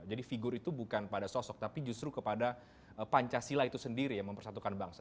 jadi figur itu bukan pada sosok tapi justru kepada pancasila itu sendiri yang mempersatukan bangsa